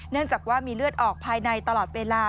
เนื่องจากว่ามีเลือดออกภายในตลอดเวลา